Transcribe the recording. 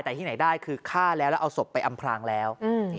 แต่ที่ไหนได้คือฆ่าแล้วแล้วเอาศพไปอำพลางแล้ว